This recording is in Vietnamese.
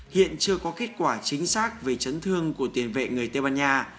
hiện chưa có kết quả chính xác về chấn thương của tiền vệ người tây ban nha